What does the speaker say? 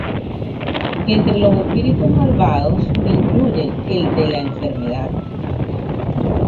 Entre los espíritus malvados incluyen el de la enfermedad.